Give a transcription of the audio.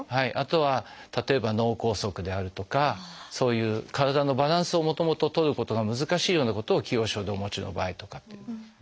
あとは例えば脳梗塞であるとかそういう体のバランスをもともと取ることが難しいようなことを既往症でお持ちの場合とかっていう。